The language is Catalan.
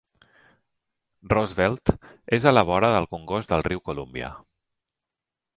Roosevelt és a la vora del congost del riu Columbia.